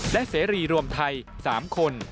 และเสรีรวมไทย๓คน